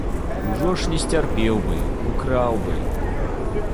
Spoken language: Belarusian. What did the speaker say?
Ужо ж не сцярпеў бы, украў бы!